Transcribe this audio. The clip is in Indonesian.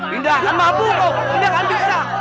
pindahkan mabu pindahkan bisa